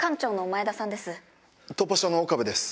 突破署の岡部です